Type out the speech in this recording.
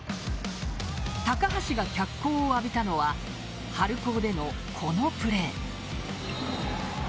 高橋が脚光を浴びたのは春高での、このプレー。